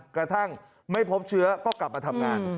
กระทั่งไม่พบเชื้อก็กลับมาทำงาน